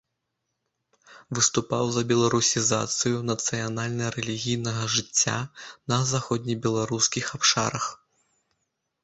Выступаў за беларусізацыю нацыянальна-рэлігійнага жыцця на заходнебеларускіх абшарах.